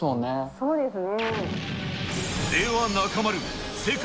そうですね。